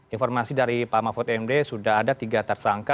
informasi dari pak mahfud md sudah ada tiga tersangka